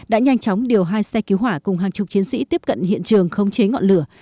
đã nhanh chóng điều hai xe cứu hỏa cùng hàng chục chiến sĩ tiếp cận hiện trường không chế ngọn lửa